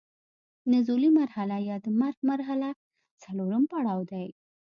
نزولي مرحله یا د مرګ مرحله څلورم پړاو دی.